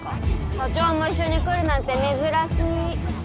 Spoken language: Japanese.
社長も一緒に来るなんて珍しい。